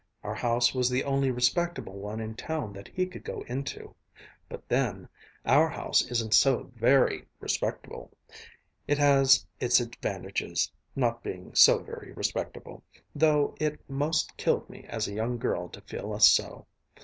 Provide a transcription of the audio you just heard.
Our house was the only respectable one in town that he could go into. But then, our house isn't so very respectable. It has its advantages, not being so very respectable, though it 'most killed me as a young girl to feel us so.